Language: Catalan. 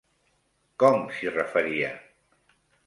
Com s'hi referia?